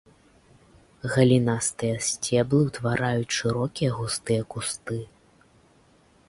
Галінастыя сцеблы ўтвараюць шырокія густыя кусты.